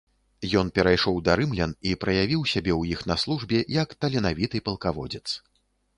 Ён перайшоў да рымлян і праявіў сябе ў іх на службе як таленавіты палкаводзец.